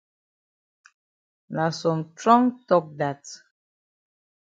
Na some trong tok dat.